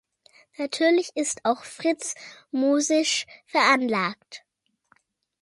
Natürlich ist auch Fritz musisch veranlagt.